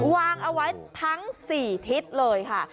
วางเอาไว้ทั้ง๔ทิศเลยค่ะ